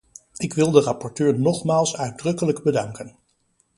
Ik wil de rapporteur nogmaals uitdrukkelijk bedanken.